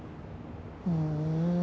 ふん。